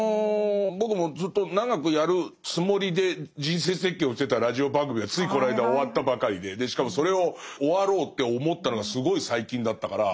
僕もずっと長くやるつもりで人生設計をしてたラジオ番組がついこの間終わったばかりででしかもそれを終わろうって思ったのがすごい最近だったから。